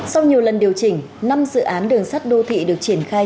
sau nhiều lần điều chỉnh năm dự án đường sắt đô thị được triển khai